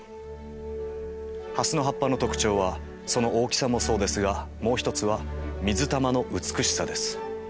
ハスの葉っぱの特徴はその大きさもそうですがもう一つは水玉の美しさです。